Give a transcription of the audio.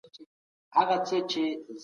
ځوانان د خپلي ټولني خدمت کوي.